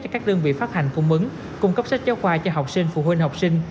cho các đơn vị phát hành cung ứng cung cấp sách giáo khoa cho học sinh phụ huynh học sinh